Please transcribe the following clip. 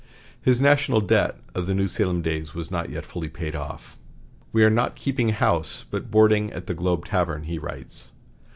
His "national debt" of the old New Salem days was not yet fully paid off. "We are not keeping house, but boarding at the Globe tavern," he writes.